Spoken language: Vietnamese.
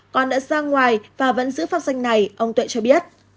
con đã ra ngoài và vẫn giữ phát danh này ông tuệ cho biết